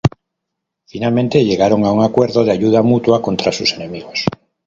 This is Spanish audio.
Finalmente llegaron a un acuerdo de ayuda mutua contra sus enemigos.